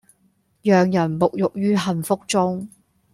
讓人沐浴於幸福中